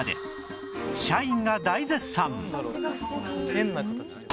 「変な形」